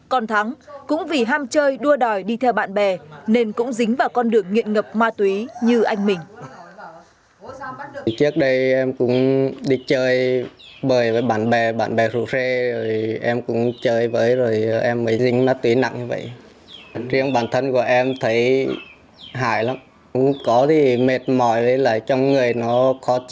còn thắng cũng vì ham chơi đua đòi đi theo bạn bè nên cũng dính vào con đường nghiện ngập ma túy như anh mình